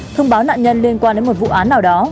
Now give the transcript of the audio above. thông báo nạn nhân liên quan đến một vụ án nào đó